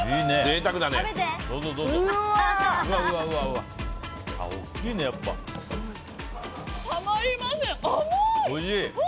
たまりません！